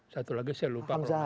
satu lagi saya lupa kalau salah